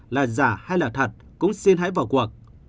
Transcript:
là giả hay là thật cũng xin hãy vào cuộc